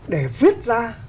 để viết ra